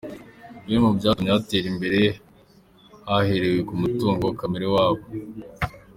Bimwe mu byatumye hatera imbere haherewe ku mutungo kamere waho.